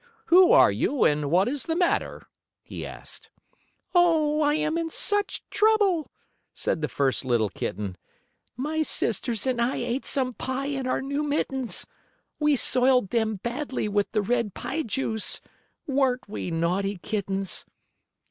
"Who are you and what is the matter?" he asked. "Oh, I'm in such trouble," said the first little kitten. "My sisters and I ate some pie in our new mittens. We soiled them badly with the red pie juice. Weren't we naughty kittens?"